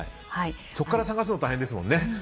そこから探すの大変ですもんね。